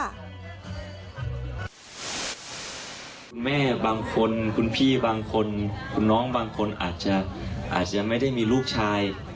คุณแม่บางคนคุณพี่บางคนคุณน้องบางคนอาจจะไม่ได้มีลูกชาย